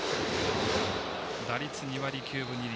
打率２割９分２厘。